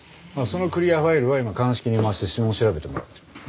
そのクリアファイルは今鑑識に回して指紋調べてもらってる。